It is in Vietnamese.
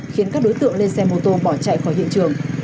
khiến các đối tượng lên xe mô tô bỏ chạy khỏi hiện trường